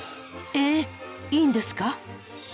えっいいんですか？